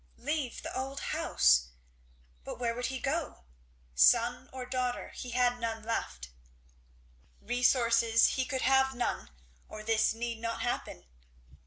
Leave the old house! But where would he go? Son or daughter he had none left; resources be could have none, or this need not happen.